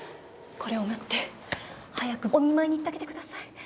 これを持って早くお見舞いに行ってあげてください。